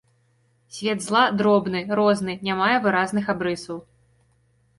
Свет зла дробны, розны, не мае выразных абрысаў.